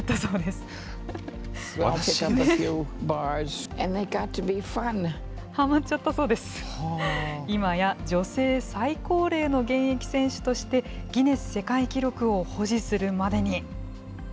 今や女性最高齢の現役選手として、ギネス世界記録を保持するまでに。